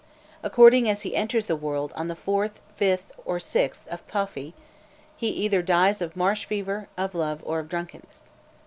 According as he enters the world on the 4th, 5th, or 6th of Paophi, he either dies of marsh fever, of love, or of drunkenness.